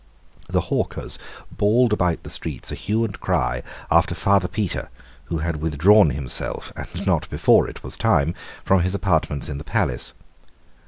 The hawkers bawled about the streets a hue and cry after Father Petre, who had withdrawn himself, and not before it was time, from his apartments in the palace.